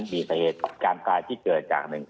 มีสาเหตุการตายที่เกิดจากหนึ่ง